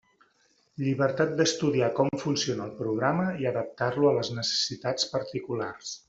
Llibertat d'estudiar com funciona el programa i adaptar-lo a les necessitats particulars.